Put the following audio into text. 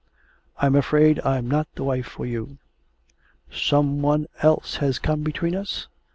I'm afraid I'm not the wife for you.' 'Some one else has come between us?